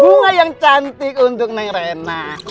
bunga yang cantik untuk neng rena